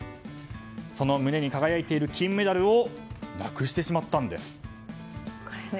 その胸に輝いている金メダルをなくしてしまったんです。